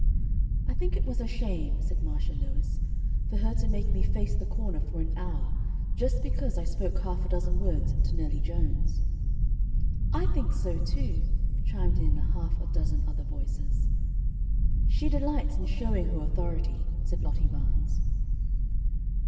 "I think it was a shame," said Marcia Lewis, "for her to make me face the corner for an hour, just because I spoke half a dozen words to Nellie Jones." "I think so, too," chimed in a half a dozen other voices. "She delights in showing her authority," said Lottie Barnes.